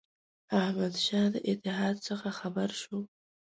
احمدشاه د اتحاد څخه خبر شو.